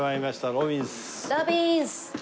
ロビンス！